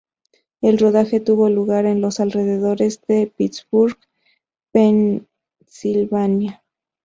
El rodaje tuvo lugar en los alrededores de Pittsburg, Pennsylvania.